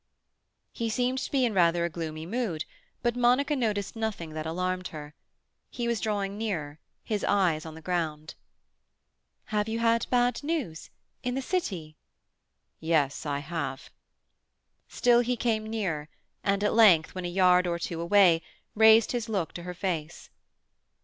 He seemed to be in rather a gloomy mood, but Monica noticed nothing that alarmed her. He was drawing nearer, his eyes on the ground. "Have you had bad news—in the City?" "Yes, I have." Still he came nearer, and at length, when a yard or two away, raised his look to her face.